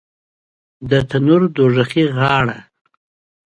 د تنور دوږخي غاړه